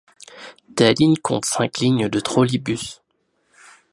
Tallinn compte cinq lignes de trolleybus.